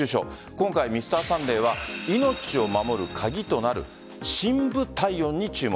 今回「Ｍｒ．サンデー」は命を守る鍵となる深部体温に注目。